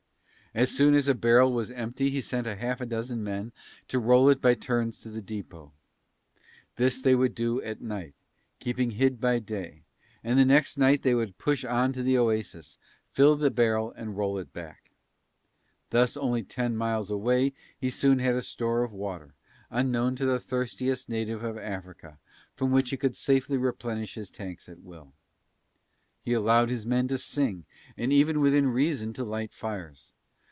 As soon as a barrel was empty he sent half a dozen men to roll it by turns to the depot. This they would do at night, keeping hid by day, and next night they would push on to the oasis, fill the barrel and roll it back. Thus only ten miles away he soon had a store of water, unknown to the thirstiest native of Africa, from which he could safely replenish his tanks at will. He allowed his men to sing and even within reason to light fires.